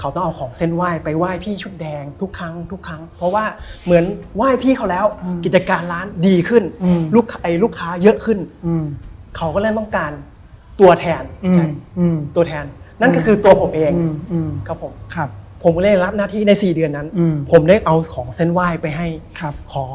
แล้วก็เดินขึ้นไปขึ้นข้างบนปุ๊บ